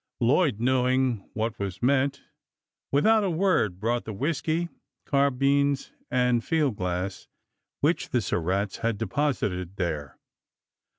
Lloyd, knowing what was meant, without a word brought the whisky, car bines, and field glass which the Surratts had de posited there.